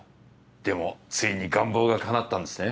でもついに願望がかなったんですね。